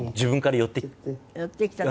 寄ってきた時。